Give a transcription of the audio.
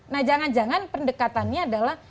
nah jangan jangan pendekatannya adalah